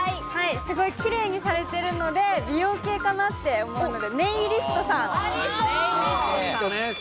すごいキレイにされてるので、美容系かなって思うので、ネイリストさん。